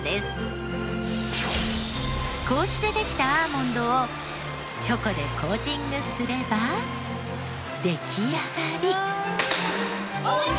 こうしてできたアーモンドをチョコでコーティングすれば出来上がり。